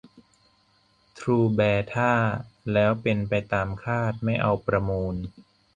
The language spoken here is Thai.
ทรูแบท่าแล้วเป็นไปตามคาดไม่เอาประมูล